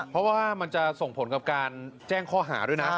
เพราะว่ามันจะส่งผลกับการแจ้งข้อหาด้วยนะ